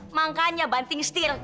makanya banting setir